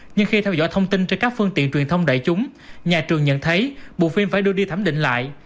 nhưng khi theo dõi thông tin trên các phương tiện truyền thông đại chúng nhà trường nhận thấy bộ phim phải đưa đi thẩm định lại